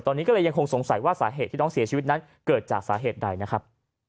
ตอนนี้ก็เลยยังคงสงสัยว่าสาเหตุที่น้องเสียชีวิตนั้นเกิดจากสาเหตุใดนะครับ